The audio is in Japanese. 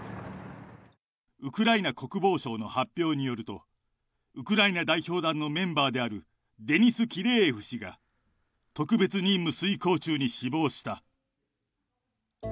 ウクライナ国防省の発表によると、ウクライナ代表団のメンバーであるデニス・キレーエフ氏が、特別任務遂行中に死亡した。